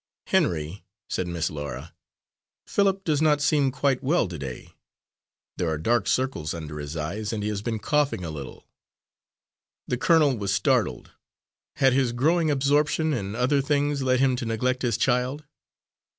"Henry," said Miss Laura, "Philip does not seem quite well to day. There are dark circles under his eyes, and he has been coughing a little." The colonel was startled. Had his growing absorption in other things led him to neglect his child?